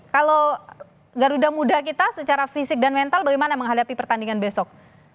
kalau garuda muda kita secara fisik dan mental bagaimana menghadapi pertandingan besok